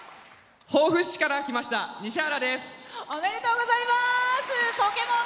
防府市から来ましたにしはらです。